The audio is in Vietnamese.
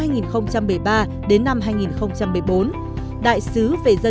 và không chỉ bằng các trường hợp chính phủ